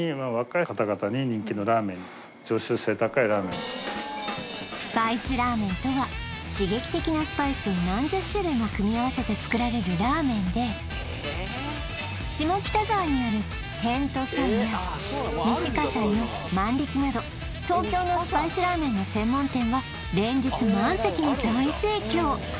どっちかっていうとこうスパイスラーメンとは刺激的なスパイスを何十種類も組み合わせて作られるラーメンで下北沢にある点と線．や西葛西の卍力など東京のスパイスラーメンの専門店は連日満席の大盛況